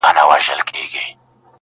یو صوفي یو قلندر سره یاران وه؛